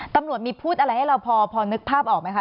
ตำรวจมีพูดอะไรให้เราพอนึกภาพออกไหมคะ